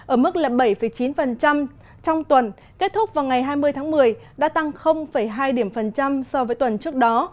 ở mức bảy chín trong tuần kết thúc vào ngày hai mươi tháng một mươi đã tăng hai so với tuần trước đó